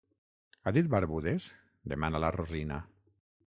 Ha dit barbudes? —demana la Rosina.